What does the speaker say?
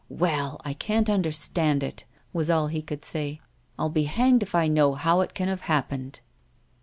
Well, T can't understand it," was all he could say. " I'll be hanged if I know how it can have happened."